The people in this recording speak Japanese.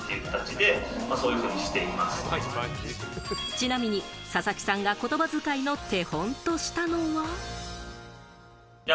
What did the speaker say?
ちなみに佐々木さんが言葉遣いの手本としたのは。